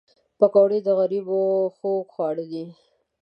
پکورې د غریبو خوږ خواړه دي